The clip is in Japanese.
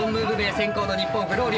先攻の日本フローリアーズ。